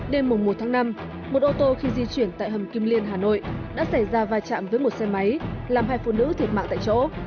đêm một tháng năm một ô tô khi di chuyển tại hầm kim liên hà nội đã xảy ra va chạm với một xe máy làm hai phụ nữ thiệt mạng tại chỗ